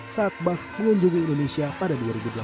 saat bah mengunjungi indonesia pada dua ribu delapan belas